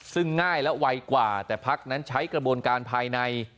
ซึ่งง่ายและไวกว่าแต่พักนั้นใช้กระบวนการภายใน